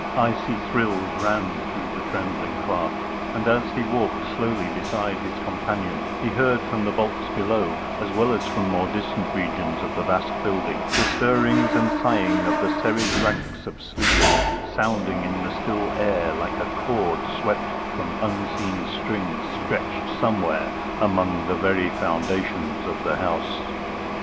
Icy thrills ran through the trembling clerk, and as he walked slowly beside his companion he heard from the vaults below, as well as from more distant regions of the vast building, the stirring and sighing of the serried ranks of sleepers, sounding in the still air like a chord swept from unseen strings stretched somewhere among the very foundations of the house.